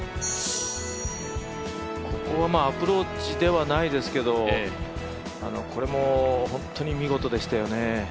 ここはアプローチではないですけど、これも本当に見事でしたよね。